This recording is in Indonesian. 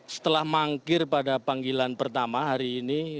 setelah mangkir pada panggilan pertama hari ini